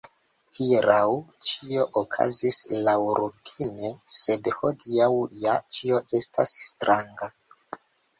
Hieraŭ ĉio okazis laŭrutine, sed hodiaŭ ja ĉio estas stranga!